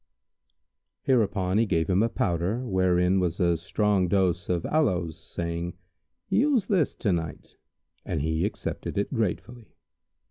Hereupon he gave him a powder, wherein was a strong dose of aloes,[FN#151] saying, "Use this to night;" and he accepted it gratefully.